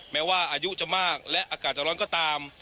แม้ว่าอายุจะมากและอากาศจะร้อนก็ตาม